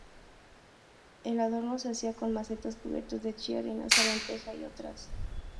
El adorno se hacía con macetas cubiertas de chía, linaza, lentejas y otras.